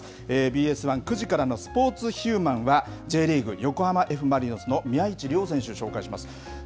ＢＳ１、９時からのスポーツ×ヒューマンは、Ｊリーグ・横浜Ｆ・マリノスの宮市亮選手、紹介します。